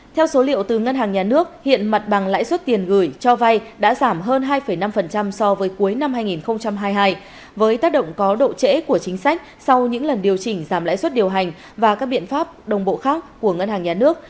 theo số liệu từ ngân hàng nhà nước hiện mặt bằng lãi suất tiền gửi cho vay đã giảm hơn hai năm so với cuối năm hai nghìn hai mươi hai với tác động có độ trễ của chính sách sau những lần điều chỉnh giảm lãi suất điều hành và các biện pháp đồng bộ khác của ngân hàng nhà nước